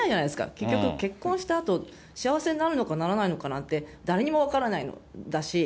結局、結婚したあと、幸せになるのかならないのかなんて、誰にも分からないんだし。